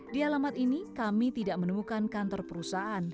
di alamat ini kami tidak menemukan kantor perusahaan